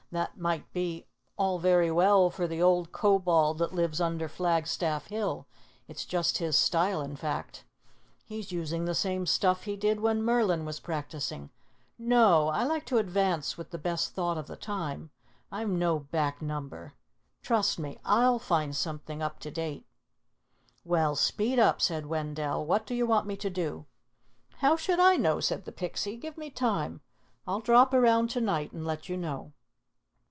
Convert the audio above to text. "That might be all very well for the old Kobold that lives under Flag Staff Hill. It's just his style, in fact. He's using the same stuff he did when Merlin was practicing. No, I like to advance with the best thought of the time. I'm no back number. Trust me, I'll find something up to date." "Well, speed up," said Wendell. "What do you want me to do?" "How should I know?" said the Pixie. "Give me time. I'll drop around to night and let you know."